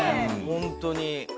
ホントに？